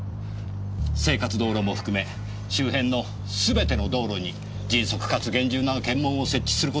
生活道路も含め周辺のすべての道路に迅速かつ厳重な検問を設置する事は不可能です。